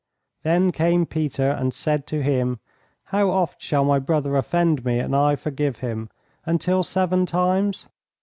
"Then came Peter and said to him, How oft shall my brother offend me and I forgive him? Until seven times?